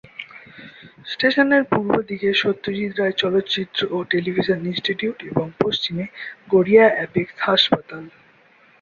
স্টেশনের পূর্ব দিকে সত্যজিৎ রায় চলচ্চিত্র ও টেলিভিশন ইনস্টিটিউট এবং পশ্চিমে গড়িয়া অ্যাপেক্স হাসপাতাল।